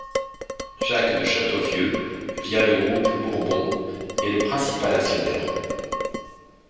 Jacques de Chateauvieux, via le groupe Bourbon, est le principal actionnaire.